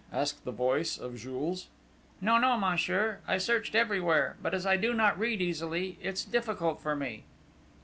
asked the voice of Jules. "No, no, monsieur! I searched everywhere; but as I do not read easily, it's difficult for me...."